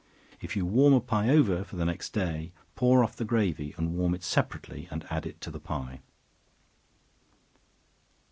If you warm a pie over for the next day, pour off the gravy and warm it separately, and add it to the pie.